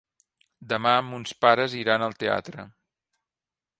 Demà mons pares iran al teatre.